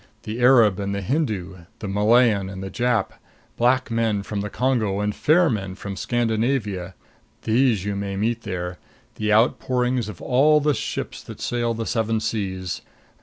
The Arab and the Hindu, the Malayan and the Jap, black men from the Congo and fair men from Scandinavia these you may meet there the outpourings of all the ships that sail the Seven Seas.